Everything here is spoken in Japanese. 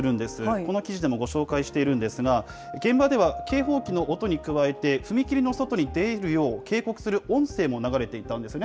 この記事でもご紹介しているんですが、現場では警報機の音に加えて、踏切の外に出るよう、警告する音声も流れていたんですね。